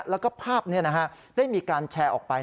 แล้วก็ภาพนี้ได้มีการแชร์ออกไป